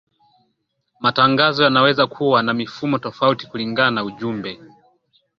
matangazo yanaweza kuwa na mifumo tofauti kulingana na ujumbe